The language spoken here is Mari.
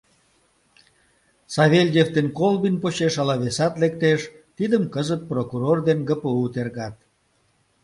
Савельев ден Колбин почеш ала весат лектеш, тидым кызыт прокурор ден ГПУ тергат...